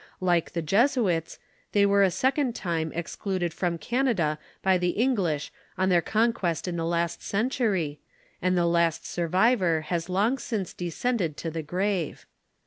Like the Jesuits, they were a second time excluded from Canada by the English on their conquest in the last century, and the last sur vivor has long since descended to the grave.